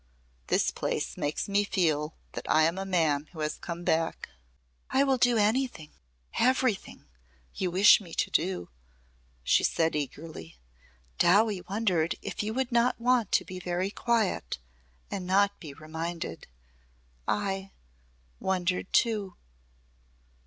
This place makes me feel that I am a man who has come back." "I will do anything everything you wish me to do," she said eagerly. "Dowie wondered if you would not want to be very quiet and not be reminded. I wondered too."